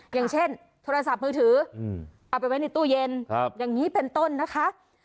อย่างเช่นโทรศัพท์มือถือเอาไปไว้ในตู้เย็นอย่างนี้เป็นต้นนะคะ